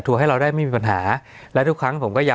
สวัสดีครับทุกผู้ชม